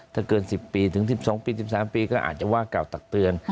ถ้าเกิน๑๐ปีถึง๑๒ปี๑๓ปีก็อาจจะว่ากล่าวตักเตือน